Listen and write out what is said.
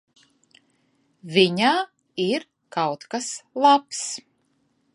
Viņā ir kaut kas labs.